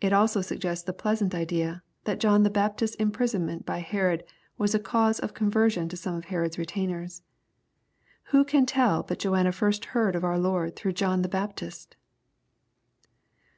It. also suggests ikiQ pleasant idea, that John the Baptist's imprisonment by Herod was a cause of conversion to some of Herod's retainers. Who can tell but Joanna first heard of our Lord through John the Baptist